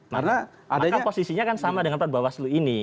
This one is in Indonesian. maka posisinya kan sama dengan perbawaslu ini